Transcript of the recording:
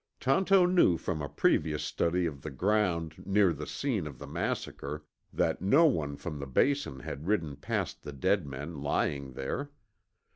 Tonto knew from a previous study of the ground near the scene of the massacre that no one from the Basin had ridden past the dead men lying there.